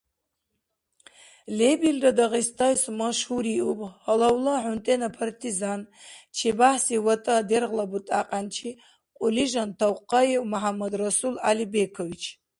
Лебилра Дагъистайс машгьуриуб гьалавла хӀунтӀена партизан, ЧебяхӀси ВатӀа дергъла бутӀакьянчи кьулижан Тавкъаев МяхӀяммадрасул ГӀялибекович.